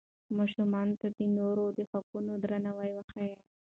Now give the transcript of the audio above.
ماشومانو ته د نورو د حقونو درناوی وښایئ.